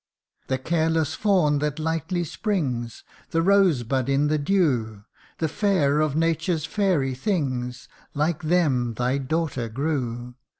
The careless fawn that lightly springs The rosebud in the dew The fair of nature's fairy things Like them thy daughter grew.